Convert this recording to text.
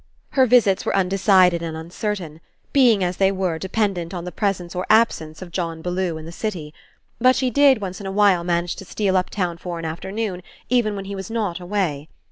Her visits were undecided and uncer tain, being, as they were, dependent on the presence or absence of John Bellew in the city. But she did, once in a while, manage to steal uptown for an afternoon even when he was not away.